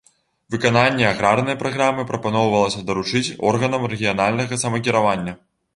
Выкананне аграрнай праграмы прапаноўвалася даручыць органам рэгіянальнага самакіравання.